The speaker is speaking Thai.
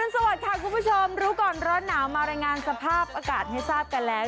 สวัสดีค่ะคุณผู้ชมรู้ก่อนร้อนหนาวมารายงานสภาพอากาศให้ทราบกันแล้ว